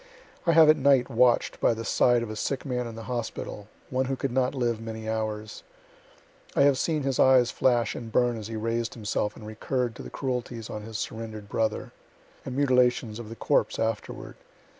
I have at night watch'd by the side of a sick man in the hospital, one who could not live many hours. I have seen his eyes flash and burn as he raised himself and recurr'd to the cruelties on his surrender'd brother, and mutilations of the corpse afterward.